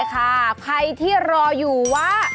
ใครที่รออยู่ว่า